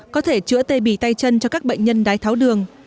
có thể chữa tê bì tay chân cho các bệnh nhân đái tháo đường